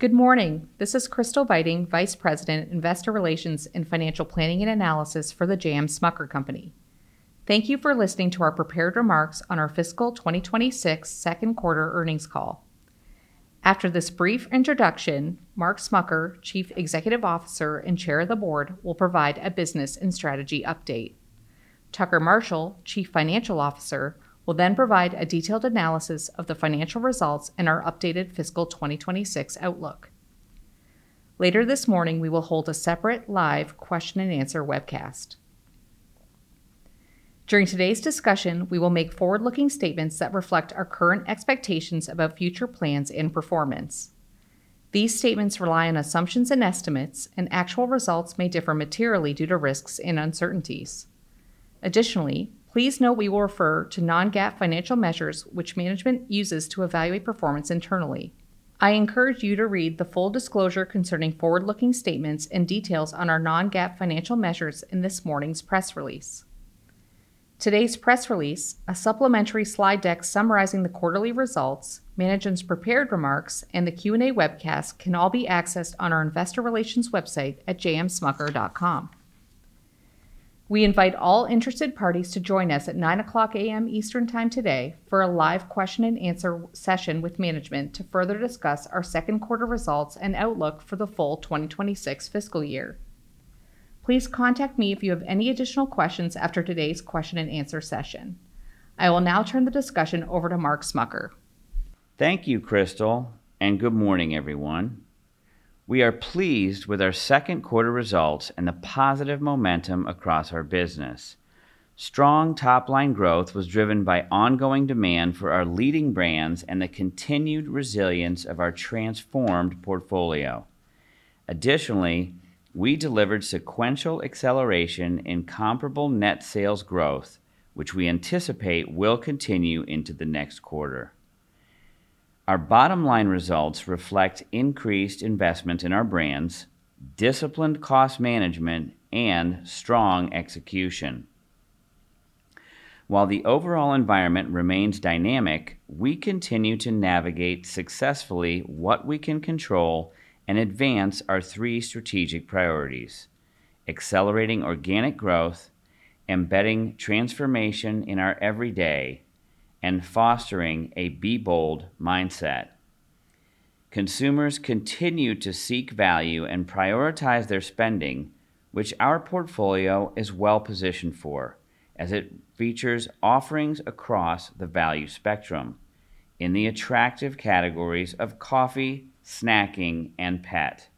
Good morning. This is Crystal Beiting, Vice President, Investor Relations and Financial Planning and Analysis for The J. M. Smucker Company. Thank you for listening to our prepared remarks on our Fiscal 2026 second quarter earnings call. After this brief introduction, Mark Smucker, Chief Executive Officer and Chair of the Board, will provide a business and strategy update. Tucker Marshall, Chief Financial Officer, will then provide a detailed analysis of the Financial Results and our updated Fiscal 2026 outlook. Later this morning, we will hold a separate live question and answer webcast. During today's discussion, we will make Forward-Looking Statements that reflect our current expectations about future plans and performance. These statements rely on assumptions and estimates, and actual results may differ materially due to risks and uncertainties. Additionally, please know we will refer to non-GAAP financial measures, which management uses to evaluate performance internally. I encourage you to read the full disclosure concerning Forward-Looking Statements and details on our non-GAAP Financial Measures in this morning's press release. Today's press release, a supplementary slide deck summarizing the Quarterly Results, Management's prepared remarks, and the Q&A webcast, can all be accessed on our investor relations website at jmsmucker.com. We invite all interested parties to join us at 9:00 A.M. Eastern Time today for a live question and answer session with management to further discuss our second quarter results and outlook for the full 2026 Fiscal Year. Please contact me if you have any additional questions after today's question and answer session. I will now turn the discussion over to Mark Smucker. Thank you, Crystal, and good morning, everyone. We are pleased with our second quarter results and the positive momentum across our business. Strong top-line growth was driven by ongoing demand for our Leading Brands and the continued resilience of our transformed portfolio. Additionally, we delivered sequential acceleration in comparable Net Sales growth, which we anticipate will continue into the next quarter. Our bottom-line results reflect increased investment in our Brands, disciplined Cost Management, and strong Execution. While the overall environment remains dynamic, we continue to navigate successfully what we can control and advance our three Strategic priorities: accelerating Organic growth, embedding Transformation in our everyday, and fostering a Be-Bold Mindset. Consumers continue to seek value and prioritize their spending, which our portfolio is well-positioned for, as it features offerings across the value spectrum in the attractive Categories of Coffee, Snacking, and Pet.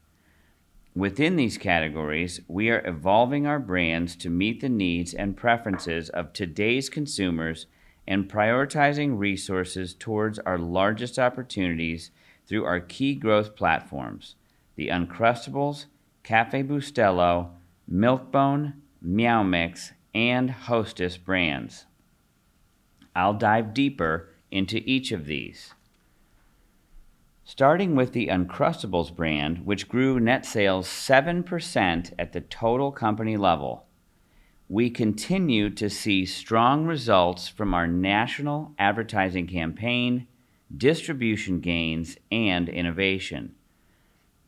Within these Categories, we are evolving our Brands to meet the needs and preferences of Today's Consumers and prioritizing resources towards our largest opportunities through our key growth platforms: the Uncrustables, Café Bustelo, Milk-Bone, Meow Mix, and Hostess Brands. I'll dive deeper into each of these. Starting with the Uncrustables Brand, which grew Net Sales 7% at the total Company level. We continue to see strong results from our National Advertising campaign, Distribution gains, and Innovation.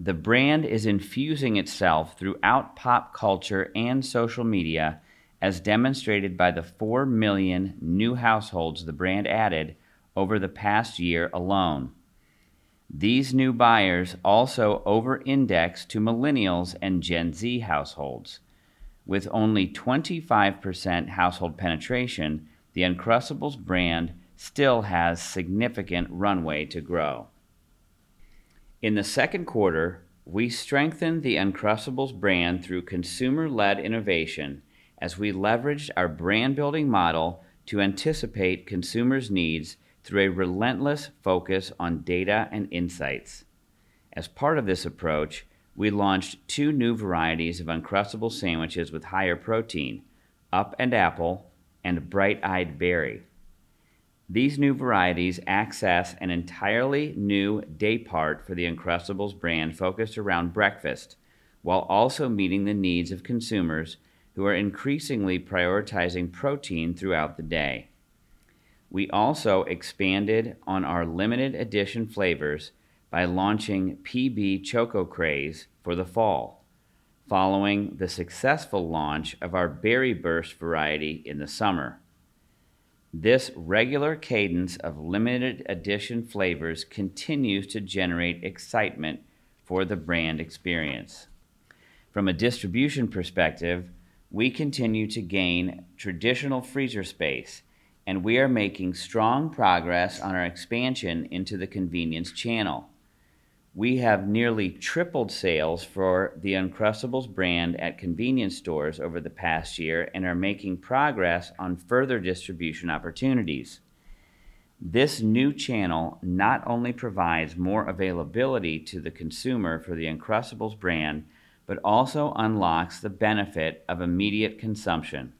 The Brand is infusing itself throughout pop culture and social media, as demonstrated by the 4 million new households the Brand added over the past year alone. These new buyers also over-index to Millennials and Gen Z households. With only 25% household penetration, the Uncrustables Brand still has significant runway to grow. In the second quarter, we strengthened the Uncrustables Brand through Consumer-led Innovation, as we leveraged our Brand-building Model to anticipate consumers' needs through a relentless focus on data and insights. As part of this approach, we launched two new varieties of Uncrustables Sandwiches with higher Protein: Up & Apple and Bright-Eyed Berry. These new varieties access an entirely new day part for the Uncrustables Brand focused around Breakfast, while also meeting the needs of consumers who are increasingly prioritizing Protein throughout the day. We also expanded on our Limited-edition Flavors by launching PB Choco Craze for the fall, following the successful launch of our Berry Burst variety in the summer. This regular cadence of limited-edition flavors continues to generate excitement for the Brand Experience. From a distribution perspective, we continue to gain Traditional Freezer space, and we are making strong progress on our expansion into the Convenience channel. We have nearly tripled Sales for the Uncrustables Brand at Convenience Stores over the past year and are making progress on further distribution opportunities. This new channel not only provides more availability to the consumer for the Uncrustables Brand, but also unlocks the benefit of immediate Consumption.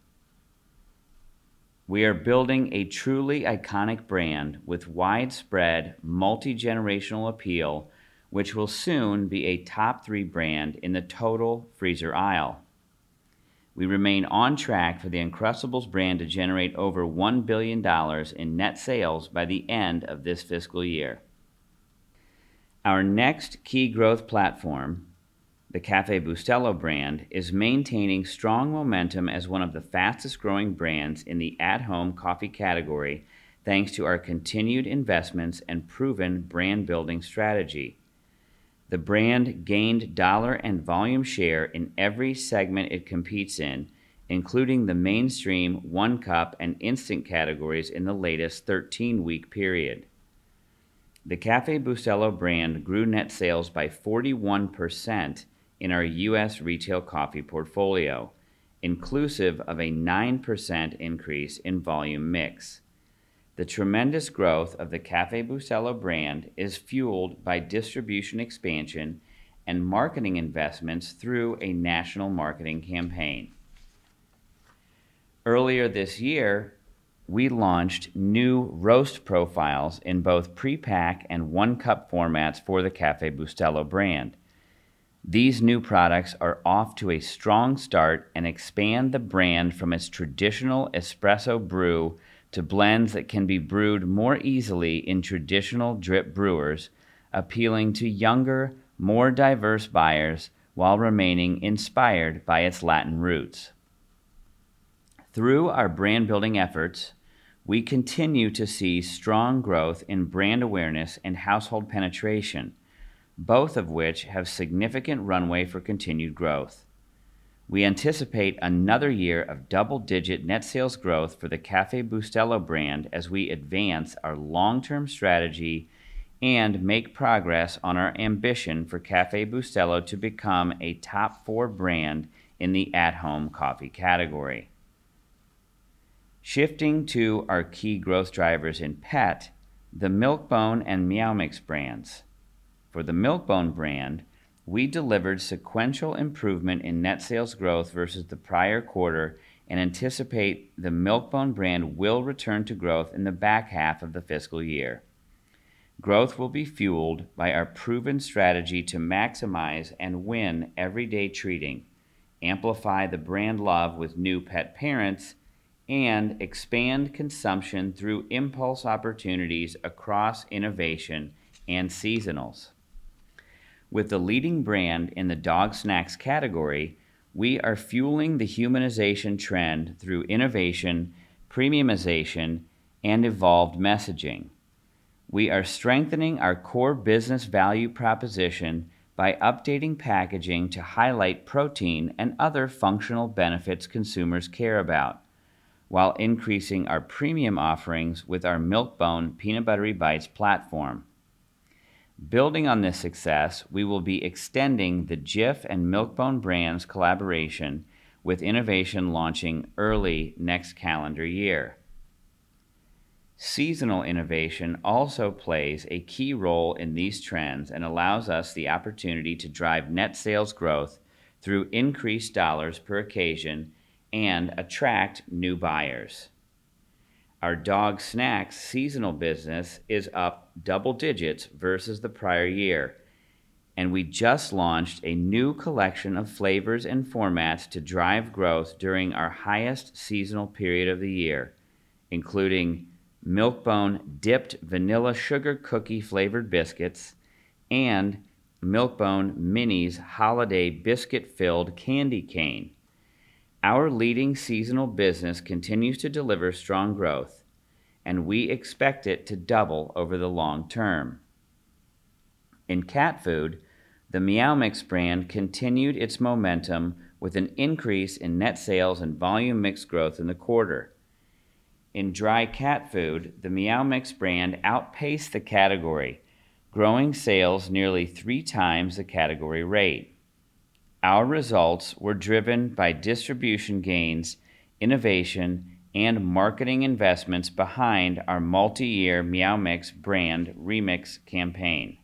We are building a truly iconic Brand with widespread multi-generational appeal, which will soon be a top-three Brand in the total Freezer aisle. We remain on track for the Uncrustables Brand to generate over $1 billion in Net Sales by the end of this Fiscal Year. Our next key growth platform, the Café Bustelo Brand, is maintaining strong momentum as one of the fastest-growing Brands in the at-Home Coffee Category, thanks to our continued investments and proven Brand-building Strategy. The Brand gained dollar and volume share in every segment it comPetes in, including the mainstream one-cup and instant Categories in the latest 13-week period. The Café Bustelo Brand grew Net Sales by 41% in our U.S. Retail Coffee portfolio, inclusive of a 9% increase in Volume Mix. The tremendous growth of the Café Bustelo Brand is fueled by Distribution expansion and Marketing investments through a National Marketing campaign. Earlier this year, we launched new Roast Profiles in both pre-pack and one-cup formats for the Café Bustelo Brand. These new products are off to a strong start and expand the Brand from its traditional Espresso Brew to Blends that can be brewed more easily in traditional Drip Brewers, appealing to younger, more diverse buyers while remaining inspired by its Latin roots. Through our Brand-building efforts, we continue to see strong growth in Brand Awareness and Household penetration, both of which have significant runway for continued growth. We anticipate another year of double-digit Net Sales growth for the Café Bustelo Brand as we advance our long-term Strategy and make progress on our ambition for Café Bustelo to become a top-four Brand in the at-Home Coffee Category. Shifting to our key growth drivers in Pet, the Milk-Bone and Meow Mix Brands. For the Milk-Bone Brand, we delivered sequential improvement in Net Sales growth versus the prior quarter and anticipate the Milk-Bone Brand will return to growth in the back half of the Fiscal Year. Growth will be fueled by our proven strategy to maximize and win everyday treating, amplify the Brand love with new Pet parents, and expand consumption through impulse opportunities across Innovation and Seasonals. With the leading Brand in the Dog Snacks Category, we are fueling the Humanization trend through innovation, premiumization, and evolved messaging. We are strengthening our core business value proposition by updating packaging to highlight Protein and other Functional Benefits consumers care about, while increasing our premium offerings with our Milk-Bone Peanut Buttery Bites platform. Building on this success, we will be extending the Jif and Milk-Bone Brands' Collaboration with innovation launching early next calendar year. Seasonal Innovation also plays a key role in these trends and allows us the opportunity to drive Net Sales growth through increased dollars per occasion and attract new buyers. Our Dog Snacks Seasonal Business is up double digits versus the prior year, and we just launched a new collection of Flavors and Formats to drive growth during our highest Seasonal period of the year, including Milk-Bone Dipped Vanilla Sugar Cookie Flavored Biscuits and Milk-Bone Mini's Holiday Biscuit-Filled Candy Cane. Our leading Seasonal Business continues to deliver strong growth, and we expect it to double over the long term. In Cat Food, the Meow Mix Brand continued its momentum with an increase in Net Sales and Volume Mix growth in the quarter. In Dry Cat Food, the Meow Mix Brand outpaced the Category, growing sales nearly three times the Category rate. Our results were driven by Distribution gains, Innovation, and Marketing investments behind our multi-year Meow Mix Brand ReMix campaign.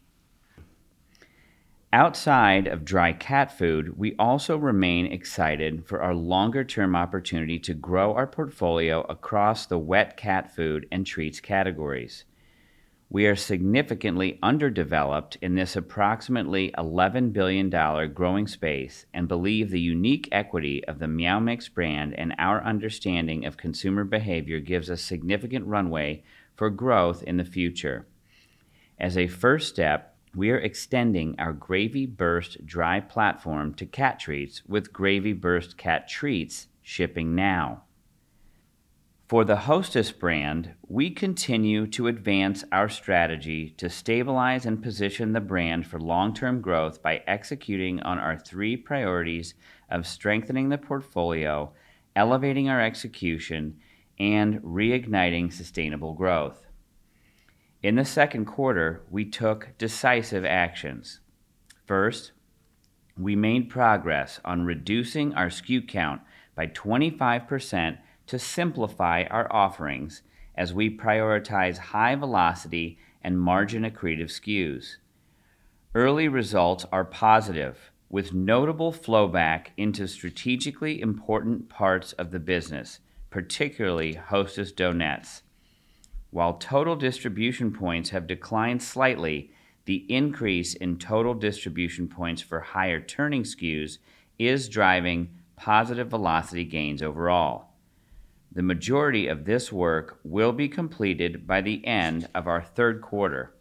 Outside of Dry Cat Food, we also remain excited for our longer-term opportunity to grow our portfolio across the Wet Cat Food and Treats Categories. We are significantly underdeveloped in this approximately $11 billion growing space and believe the unique equity of the Meow Mix Brand and our understanding of consumer behavior gives us significant runway for growth in the future. As a first step, we are extending our Gravy Burst Dry platform to Cat Treats with Gravy Burst Cat Treats shipping now. For the Hostess Brand, we continue to Advance our Strategy to stabilize and position the Brand for long-term growth by executing on our three priorities of strengthening the portfolio, elevating our execution, and reigniting sustainable growth. In the second quarter, we took decisive actions. First, we made progress on reducing our SKU count by 25% to simplify our offerings as we prioritize high-velocity and margin-accretive SKUs. Early results are positive, with notable flow back into Strategically important parts of the Business, particularly Hostess Donettes. While total distribution points have declined slightly, the increase in Total Distribution points for higher turning SKUs is driving positive velocity gains overall. The majority of this work will be completed by the end of our third quarter.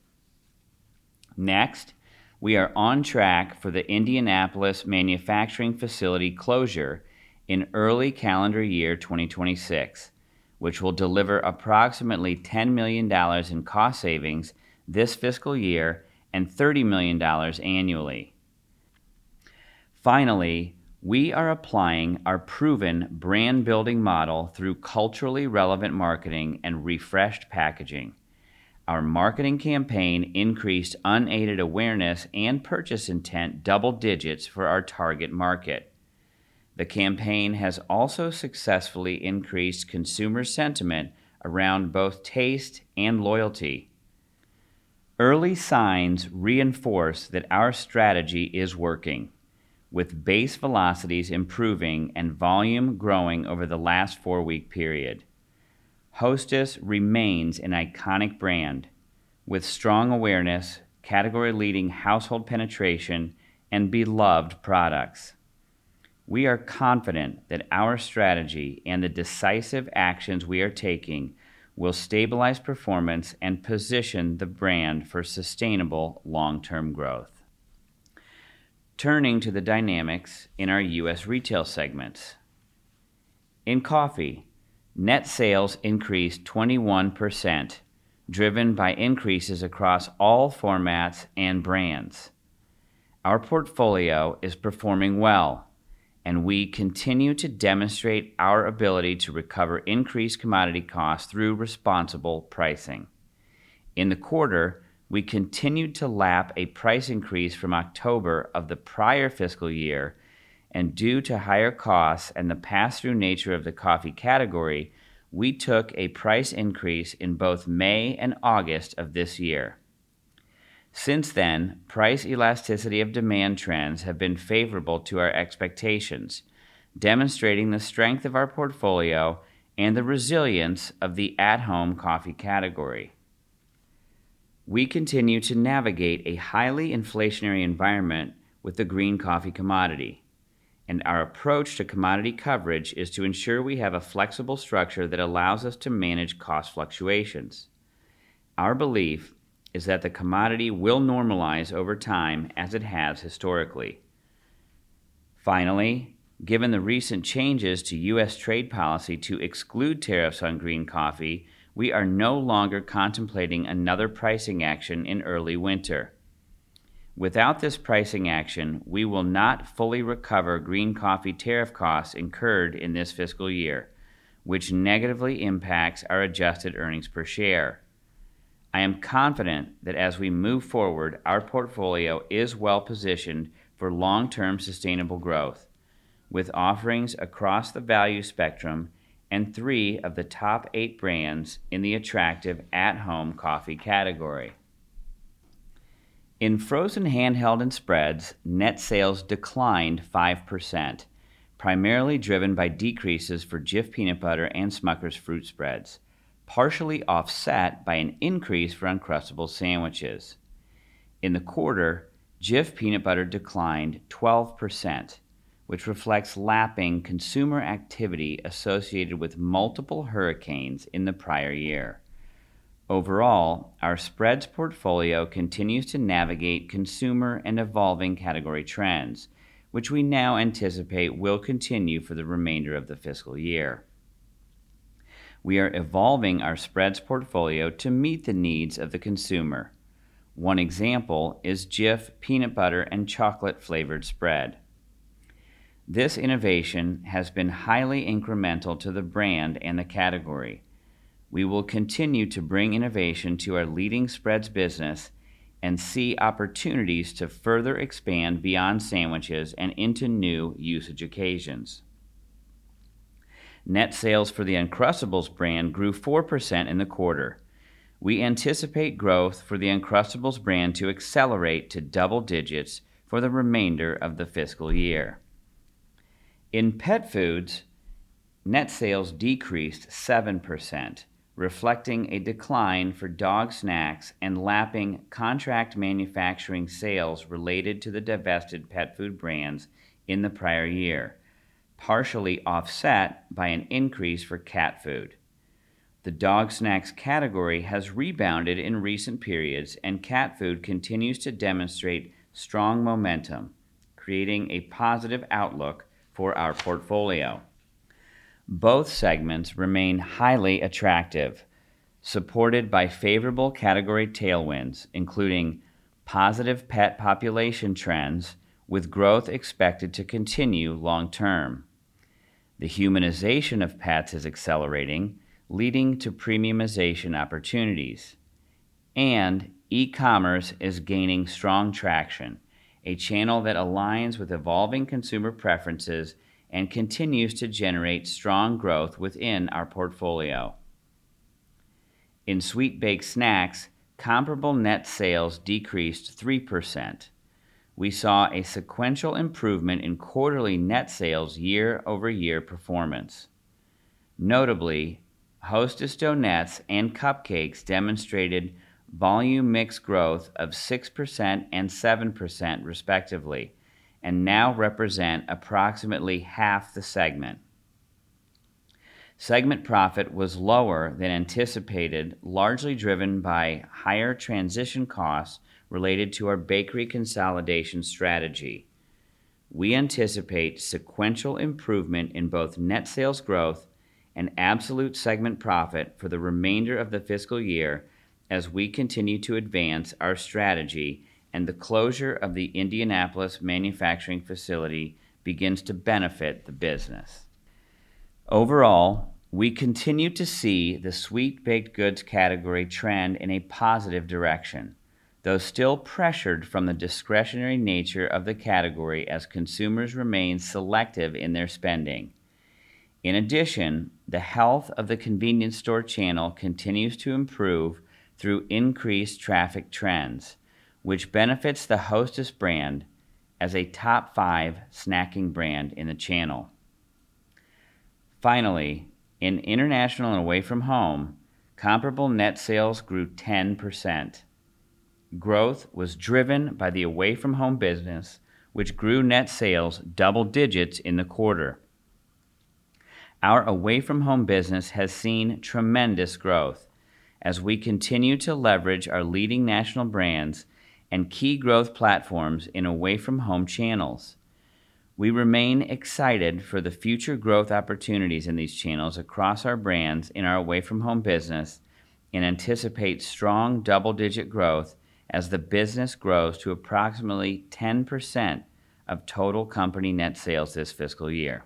Next, we are on track for the Indianapolis Manufacturing Facility closure in early calendar year 2026, which will deliver approximately $10 million in cost savings this Fiscal Year and $30 million annually. Finally, we are applying our proven Brand-building Model through culturally relevant Marketing and refreshed Packaging. Our Marketing campaign increased unaided awareness and purchase intent double digits for our target Market. The campaign has also successfully increased consumer sentiment around both Taste and Loyalty. Early signs reinforce that our Strategy is working, with base velocities improving and volume growing over the last four-week period. Hostess remains an iconic Brand with strong Awareness, Category-leading Household penetration, and beloved Products. We are confident that our Strategy and the decisive actions we are taking will stabilize performance and position the Brand for sustainable long-term growth. Turning to the dynamics in our U.S. Retail segments. In coffee, Net Sales increased 21%, driven by increases across all formats and Brands. Our portfolio is performing well, and we continue to demonstrate our ability to recover increased Commodity Costs through responsible pricing. In the quarter, we continued to lap a price increase from October of the prior Fiscal Year, and due to higher costs and the pass-through nature of the Coffee Category, we took a price increase in both May and August of this year. Since then, price elasticity of demand trends have been favorable to our expectations, demonstrating the strength of our portfolio and the resilience of the at-Home Coffee Category. We continue to navigate a highly inflationary environment with the Green Coffee Commodity, and our approach to Commodity coverage is to ensure we have a flexible structure that allows us to manage Cost fluctuations. Our belief is that the Commodity will normalize over time as it has historically. Finally, given the recent changes to U.S. Trade Policy to exclude tariffs on Green Coffee, we are no longer contemplating another pricing action in early winter. Without this pricing action, we will not fully recover Green Coffee tariff costs incurred in this Fiscal Year, which negatively impacts our Adjusted Earnings per share. I am confident that as we move forward, our portfolio is well-positioned for long-term sustainable growth, with offerings across the value spectrum and three of the top eight Brands in the attractive at-Home Coffee Category. In Frozen Handheld and Spreads, Net Sales declined 5%, primarily driven by decreases for Jif Peanut Butter and Smucker's Fruit Spreads, partially offset by an increase for Uncrustables Sandwiches. In the quarter, Jif Peanut Butter declined 12%, which reflects lapping Consumer activity associated with multiple hurricanes in the prior year. Overall, our spreads portfolio continues to navigate consumer and evolving Category trends, which we now anticipate will continue for the remainder of the Fiscal Year. We are evolving our Spreads portfolio to meet the needs of the consumer. One example is Jif Peanut Butter and Chocolate Flavored Spread. This innovation has been highly incremental to the Brand and the Category. We will continue to bring innovation to our leading Spreads Business and see opportunities to further expand beyond Sandwiches and into new usage occasions. Net Sales for the Uncrustables Brand grew 4% in the quarter. We anticipate growth for the Uncrustables Brand to accelerate to double digits for the remainder of the Fiscal Year. In Pet Foods, Net Sales decreased 7%, reflecting a decline for Dog Snacks and lapping Contract Manufacturing sales related to the divested Pet Food Brands in the prior year, partially offset by an increase for Cat Food. The Dog Snacks Category has rebounded in recent periods, and Cat Food continues to demonstrate strong momentum, creating a positive outlook for our portfolio. Both segments remain highly attractive, supported by favorable Category tailwinds, including positive Pet population trends, with growth expected to continue long term. The humanization of Pets is accelerating, leading to premiumization opportunities, and E-commerce is gaining strong traction, a channel that aligns with evolving consumer preferences and continues to generate strong growth within our portfolio. In Sweet Baked Snacks, comparable Net Sales decreased 3%. We saw a sequential improvement in quarterly Net Sales year-over-year performance. Notably, Hostess Donettes and Cupcakes demonstrated Volume Mix growth of 6% and 7%, respectively, and now represent approximately half the segment. Segment profit was lower than anticipated, largely driven by higher transition costs related to our Bakery consolidation Strategy. We anticipate sequential improvement in both Net Sales growth and absolute segment profit for the remainder of the Fiscal Year as we continue to advance our Strategy and the closure of the Indianapolis Manufacturing Facility begins to benefit the business. Overall, we continue to see the Sweet Baked Goods category trend in a positive direction, though still pressured from the discretionary nature of the category as consumers remain selective in their spending. In addition, the health of the Convenience Store channel continues to improve through increased traffic trends, which benefits the Hostess Brand as a top five Snacking Brand in the channel. Finally, in International and Away From Home, comparable Net Sales grew 10%. Growth was driven by the Away From Home Business, which grew Net Sales double digits in the quarter. Our Away From Home Business has seen tremendous growth as we continue to leverage our leading National Brands and key growth platforms in Away From Home channels. We remain excited for the Future growth opportunities in these channels across our Brands in our Away From Home Business and anticipate strong double-digit growth as the business grows to approximately 10% of total Company Net Sales this Fiscal Year.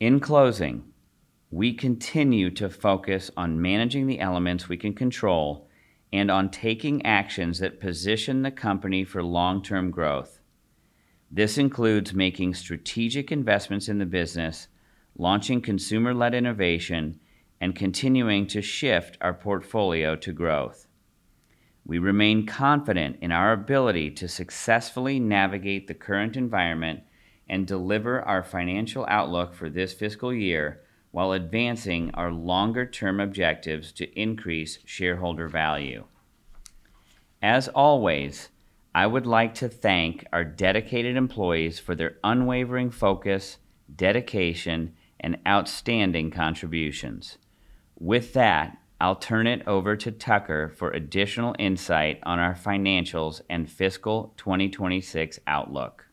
In closing, we continue to focus on managing the elements we can control and on taking actions that position the Company for long-term growth. This includes making Strategic Investments in the business, launching Consumer-led Innovation, and continuing to shift our Portfolio to growth. We remain confident in our ability to successfully navigate the current environment and deliver our Financial outlook for this Fiscal Year while advancing our longer-term objectives to increase Shareholder value. As always, I would like to thank our dedicated employees for their unwavering focus, dedication, and outstanding contributions. With that, I'll turn it over to Tucker for additional insight on our Financials and Fiscal 2026 outlook.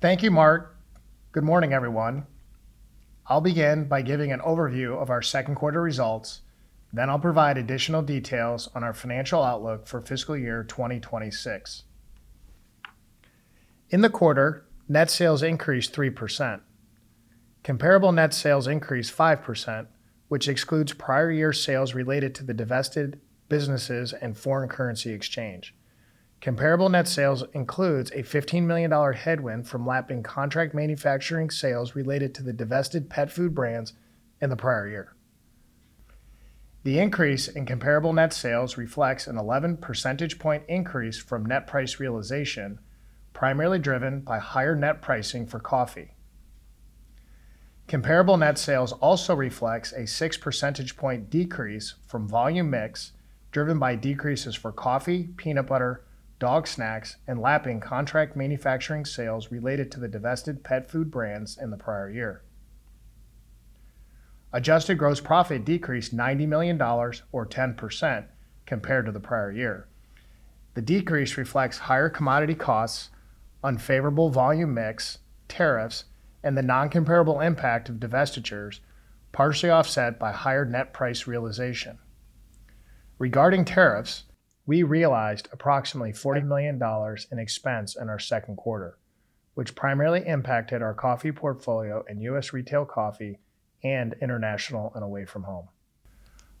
Thank you, Mark. Good morning, everyone. I'll begin by giving an overview of our second quarter results, then I'll provide additional details on our Financial outlook for Fiscal Year 2026. In the quarter, Net Sales increased 3%. Comparable Net Sales increased 5%, which excludes prior year sales related to the divested businesses and Foreign Currency Exchange. Comparable Net Sales includes a $15 million headwind from lapping Contract Manufacturing sales related to the divested Pet Food Brands in the prior year. The increase in comparable Net Sales reflects an 11 percentage point increase from Net price realization, primarily driven by higher Net pricing for Coffee. Comparable Net Sales also reflects a 6 percentage point decrease from Volume Mix, driven by decreases for Coffee, Peanut Butter, Dog Snacks, and lapping Contract Manufacturing sales related to the divested Pet Food Brands in the prior year. Adjusted Gross Profit decreased $90 million, or 10%, compared to the prior year. The decrease reflects higher Commodity costs, unfavorable Volume Mix, tariffs, and the non-comparable impact of divestitures, partially offset by higher Net price realization. Regarding tariffs, we realized approximately $40 million in expense in our second quarter, which primarily impacted our Coffee portfolio and U.S. Retail Coffee and International and Away From Home.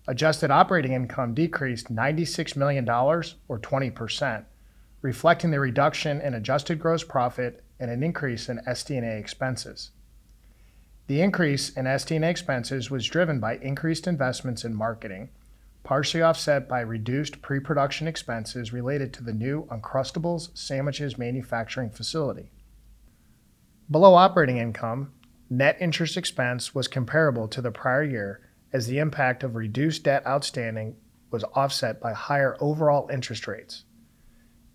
Adjusted Operating Income decreased $96 million, or 20%, reflecting the reduction in Adjusted Gross Profit and an increase in SD&A expenses. The increase in SD&A expenses was driven by increased investments in Marketing, partially offset by reduced pre-production expenses related to the new Uncrustables Sandwiches Manufacturing Facility. Below Operating Income, Net Interest expense was comparable to the prior year as the impact of reduced debt outstanding was offset by higher overall interest rates.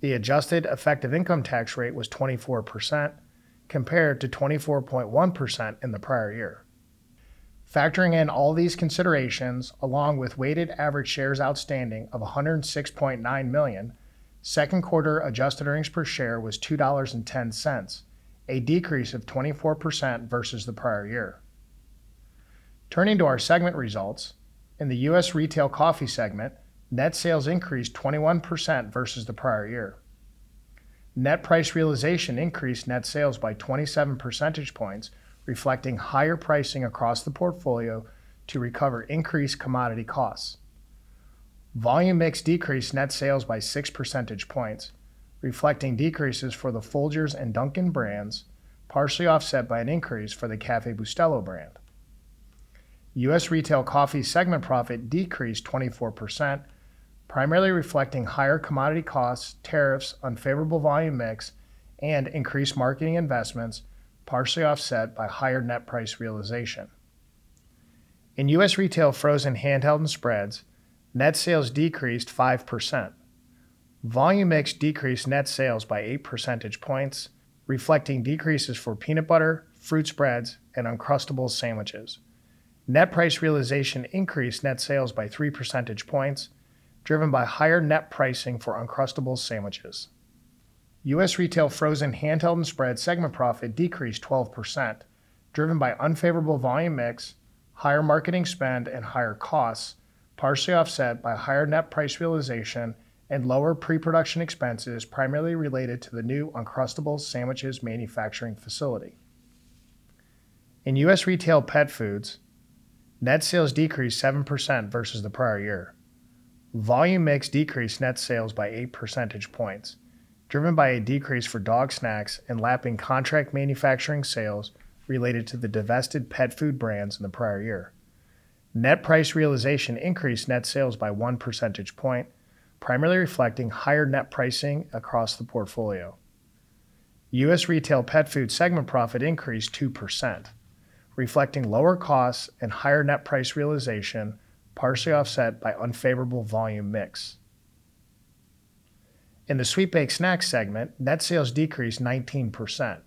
The Adjusted effective Income Tax rate was 24%, compared to 24.1% in the prior year. Factoring in all these considerations, along with weighted average shares outstanding of $106.9 million, second quarter Adjusted Earnings per share was $2.10, a decrease of 24% versus the prior year. Turning to our segment results, in the U.S. Retail Coffee segment, Net Sales increased 21% versus the prior year. Net price realization increased Net Sales by 27 percentage points, reflecting higher pricing across the portfolio to recover increased Commodity costs. Volume Mix decreased Net Sales by 6 percentage points, reflecting decreases for the Folgers and Dunkin' Brands, partially offset by an increase for the Café Bustelo Brand. U.S. Retail Coffee segment profit decreased 24%, primarily reflecting higher Commodity costs, tariffs, unfavorable Volume Mix, and increased marketing investments, partially offset by higher Net price realization. In U.S. Retail Frozen Handheld and Spreads, Net Sales decreased 5%. Volume Mix decreased Net Sales by eight percentage points, reflecting decreases for Peanut Butter, Fruit Spreads, and Uncrustables Sandwiches. Net price realization increased Net Sales by three percentage points, driven by higher net pricing for Uncrustables sandwiches. U.S. Retail Frozen Handheld and Spread segment profit decreased 12%, driven by unfavorable Volume Mix, higher marketing spend, and higher costs, partially offset by higher Net price realization and lower pre-production expenses primarily related to the new Uncrustables Sandwiches Manufacturing Facility. In U.S. Retail Pet Foods, Net Sales decreased 7% versus the prior year. Volume Mix decreased Net Sales by eight percentage points, driven by a decrease for Dog Snacks and lapping contract manufacturing sales related to the divested Pet Food Brands in the prior year. Net price realization increased Net Sales by one percentage point, primarily reflecting higher Net pricing across the portfolio. U.S. Retail Pet Food segment profit increased 2%, reflecting lower costs and higher Net price realization, partially offset by unfavorable Volume Mix. In the Sweet Baked Snacks segment, Net Sales decreased 19%.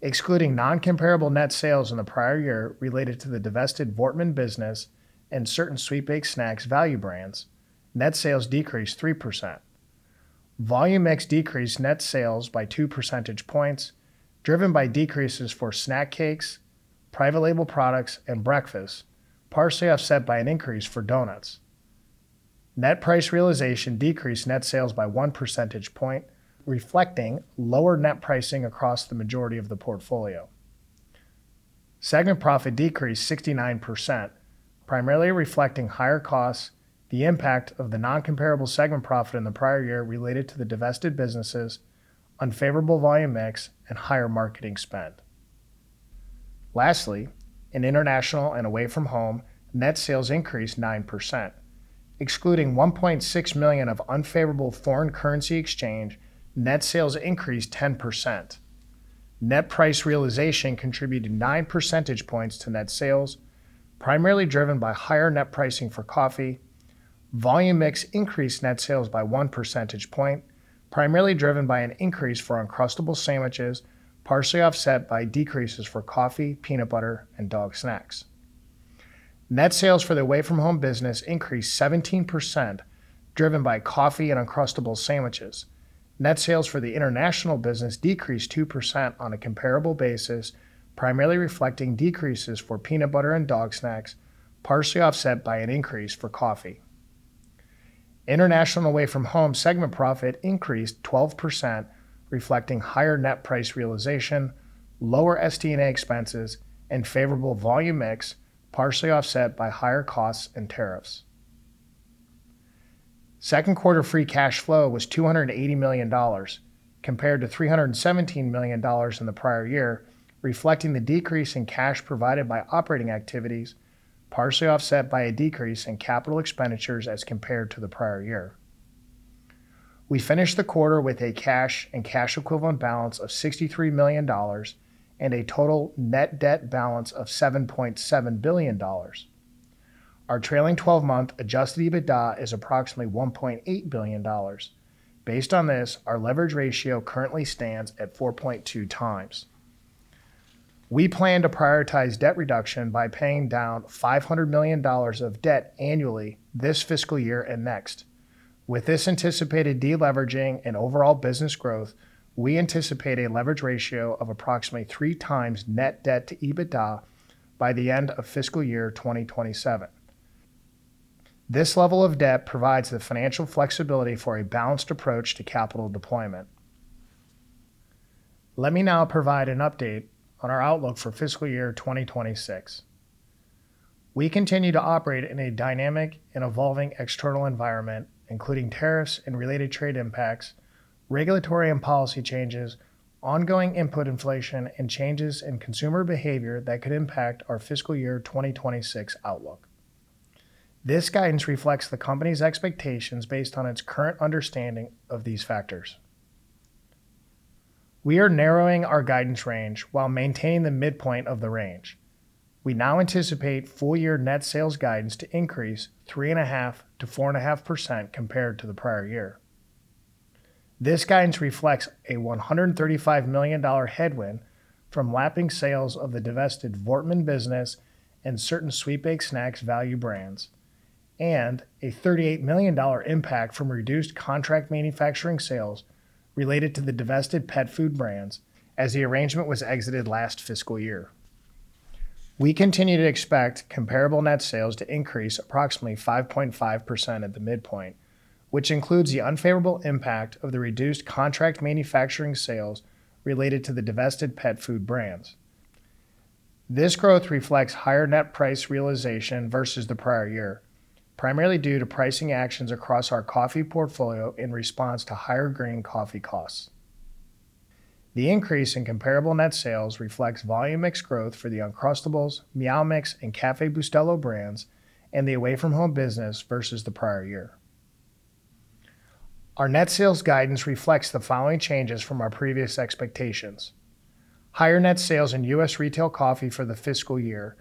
Excluding non-comparable Net Sales in the prior year related to the divested Voortman Business and certain Sweet Baked Snacks value Brands, Net Sales decreased 3%. Volume Mix decreased Net Sales by two percentage points, driven by decreases for Snack Cakes, private Label Products, and Breakfast, partially offset by an increase for donuts. Net price realization decreased Net Sales by one percentage point, reflecting lower Net pricing across the majority of the portfolio. Segment profit decreased 69%, primarily reflecting higher costs, the impact of the non-comparable segment profit in the prior year related to the divested businesses, unfavorable Volume Mix, and higher marketing spend. Lastly, in International and Away From Home, Net Sales increased 9%. Excluding $1.6 million of unfavorable Foreign Currency Exchange, Net Sales increased 10%. Net price realization contributed nine percentage points to Net Sales, primarily driven by higher Net pricing for Coffee. Volume Mix increased Net Sales by 1 percentage point, primarily driven by an increase for Uncrustables Sandwiches, partially offset by decreases for Coffee, Peanut Butter, and Dog Snacks. Net Sales for the Away From Home Business increased 17%, driven by Coffee and Uncrustables Sandwiches. Net Sales for the International Business decreased 2% on a comparable basis, primarily reflecting decreases for Peanut Butter and Dog Snacks, partially offset by an increase for Coffee. International and Away From Home segment profit increased 12%, reflecting higher Net price realization, lower SD&A expenses, and favorable Volume Mix, partially offset by higher costs and tariffs. Second quarter Free Cash Flow was $280 million, compared to $317 million in the prior year, reflecting the decrease in cash provided by Operating activities, partially offset by a decrease in Capital expenditures as compared to the prior year. We finished the quarter with a cash and cash equivalent balance of $63 million and a total Net debt balance of $7.7 billion. Our trailing 12-month Adjusted EBITDA is approximately $1.8 billion. Based on this, our leverage ratio currently stands at 4.2 times. We plan to prioritize debt reduction by paying down $500 million of debt annually this Fiscal Year and next. With this anticipated deleveraging and overall business growth, we anticipate a leverage ratio of approximately 3 times Net debt to EBITDA by the end of Fiscal Year 2027. This level of debt provides the Financial flexibility for a balanced approach to Capital deployment. Let me now provide an update on our outlook for Fiscal Year 2026. We continue to operate in a dynamic and evolving external environment, including tariffs and related Trade impacts, Regulatory and Policy changes, ongoing input Inflation, and changes in Consumer Behavior that could impact our Fiscal Year 2026 outlook. This guidance reflects the Company's expectations based on its current understanding of these factors. We are narrowing our guidance range while maintaining the midpoint of the range. We now anticipate full-year Net Sales guidance to increase 3.5%-4.5% compared to the prior year. This guidance reflects a $135 million headwind from lapping sales of the divested Voortman Business and certain Sweet Baked Snacks value Brands, and a $38 million impact from reduced Contract Manufacturing sales related to the divested Pet Food Brands as the arrangement was exited last Fiscal Year. We continue to expect comparable Net Sales to increase approximately 5.5% at the midpoint, which includes the unfavorable impact of the reduced contract manufacturing sales related to the divested Pet Food Brands. This growth reflects higher Net price realization versus the prior year, primarily due to pricing actions across our Coffee portfolio in response to higher Green Coffee costs. The increase in comparable Net Sales reflects Volume Mix growth for the Uncrustables, Meow Mix, and Café Bustelo Brands, and the Away From Home Business versus the prior year. Our Net Sales guidance reflects the following changes from our previous expectations: higher Net Sales in U.S. Retail Coffee for the Fiscal Year,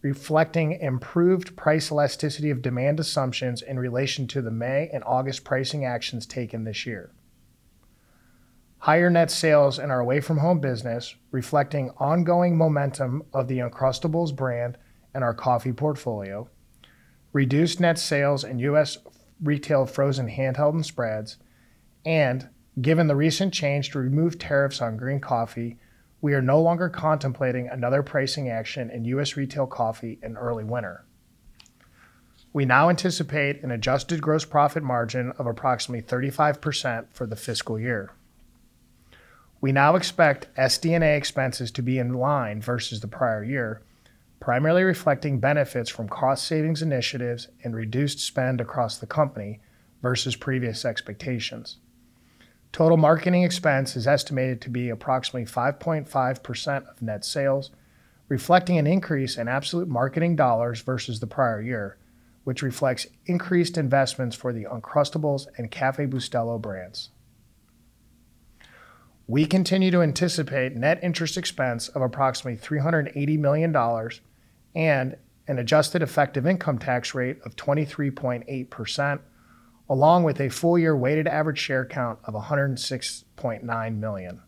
reflecting improved price elasticity of demand assumptions in relation to the May and August pricing actions taken this year. Higher Net Sales in our Away From Home business, reflecting ongoing momentum of the Uncrustables Brand and our Coffee portfolio. Reduced Net Sales in U.S. Retail Frozen Handheld and Spreads. Given the recent change to remove tariffs on Green Coffee, we are no longer contemplating another pricing action in U.S. Retail Coffee in early winter. We now anticipate an Adjusted Gross Profit Margin of approximately 35% for the Fiscal Year. We now expect SD&A expenses to be in line versus the prior year, primarily reflecting benefits from cost savings initiatives and reduced spend across the company versus previous expectations. Total Marketing expense is estimated to be approximately 5.5% of Net Sales, reflecting an increase in absolute marketing dollars versus the prior year, which reflects increased investments for the Uncrustables and Café Bustelo Brands. We continue to anticipate net interest expense of approximately $380 million and an Adjusted effective Income Tax rate of 23.8%, along with a full-year weighted average share count of 106.9 million.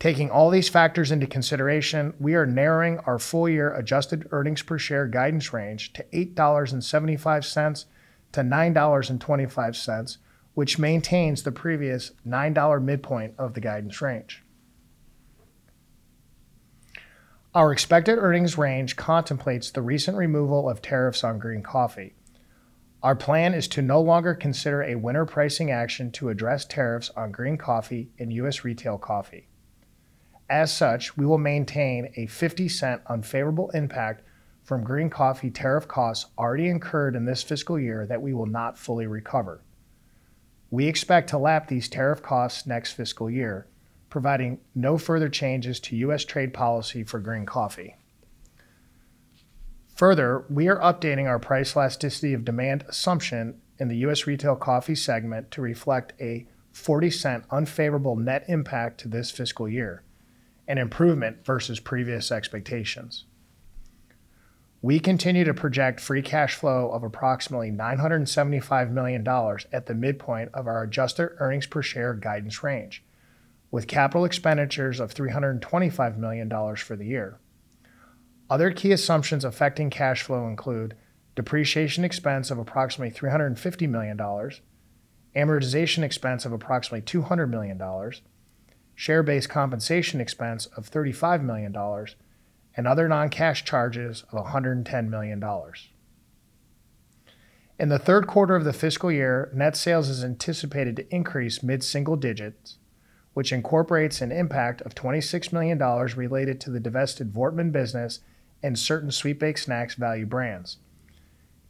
Taking all these factors into consideration, we are narrowing our full-year Adjusted Earnings per share guidance range to $8.75-$9.25, which maintains the previous $9 midpoint of the guidance range. Our expected earnings range contemplates the recent removal of tariffs on Green Coffee. Our plan is to no longer consider a winter pricing action to address tariffs on Green Coffee in U.S. Retail Coffee. As such, we will maintain a 50% unfavorable impact from Green Coffee tariff costs already incurred in this Fiscal Year that we will not fully recover. We expect to lap these tariff costs next Fiscal Year, providing no further changes to U.S. Trade policy for Green Coffee. Further, we are updating our price elasticity of demand assumption in the U.S. Retail Coffee segment to reflect a 40% unfavorable Net impact to this Fiscal Year, an improvement versus previous expectations. We continue to project Free Cash Flow of approximately $975 million at the midpoint of our Adjusted Earnings per share guidance range, with Capital expenditures of $325 million for the year. Other key assumptions affecting Cash Flow include depreciation expense of approximately $350 million, amortization expense of approximately $200 million, share-based compensation expense of $35 million, and other non-cash charges of $110 million. In the third quarter of the Fiscal Year, Net Sales is anticipated to increase mid-single digits, which incorporates an impact of $26 million related to the divested Voortman Business and certain Sweet Baked Snacks value Brands.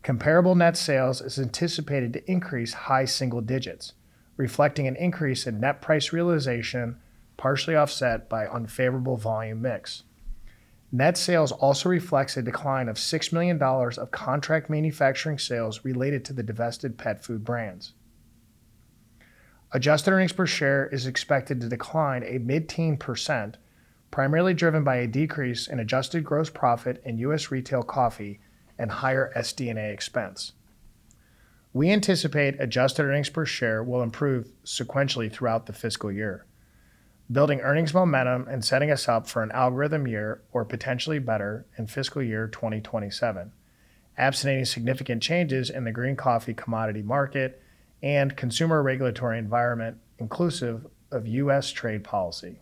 Comparable Net Sales is anticipated to increase high single digits, reflecting an increase in Net price realization, partially offset by unfavorable Volume Mix. Net Sales also reflects a decline of $6 million of Contract Manufacturing sales related to the divested Pet Food Brands. Adjusted Earnings per share is expected to decline a mid-teen %, primarily driven by a decrease in Adjusted Gross Profit in U.S. Retail Coffee and higher SD&A expense. We anticipate Adjusted Earnings per share will improve sequentially throughout the Fiscal Year, building earnings momentum and setting us up for an algorithm year or potentially better in Fiscal Year 2027, absent any significant changes in the Green Coffee Commodity Market and Consumer Regulatory environment inclusive of U.S. Trade policy.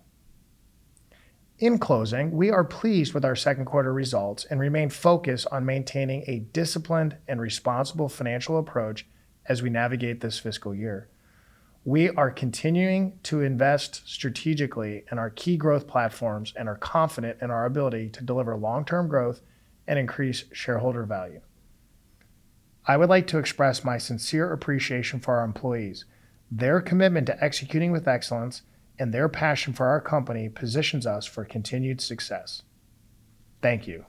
In closing, we are pleased with our second quarter results and remain focused on maintaining a disciplined and responsible Financial approach as we navigate this Fiscal Year. We are continuing to invest strategically in our key growth platforms and are confident in our ability to deliver long-term growth and increase Shareholder value. I would like to express my sincere appreciation for our employees. Their commitment to executing with excellence and their passion for our company positions us for continued success. Thank you.